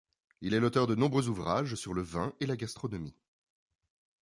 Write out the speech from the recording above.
Il est l'auteur de nombreux ouvrages sur le vin et la gastronomie.